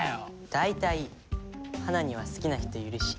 大体花には好きな人いるし。